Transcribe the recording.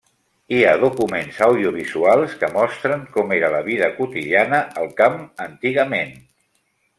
Hi ha documents audiovisuals que mostren com era la vida quotidiana al camp antigament.